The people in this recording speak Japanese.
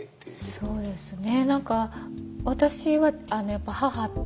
そうですね